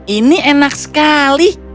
ini enak sekali